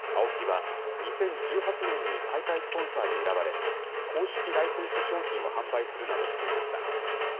ＡＯＫＩは、２０１８年に大会スポンサーに選ばれ、公式ライセンス商品を販売するなどしていました。